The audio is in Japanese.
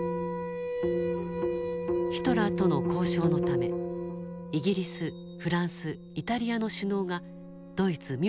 ヒトラーとの交渉のためイギリスフランスイタリアの首脳がドイツ・ミュンヘンを訪れた。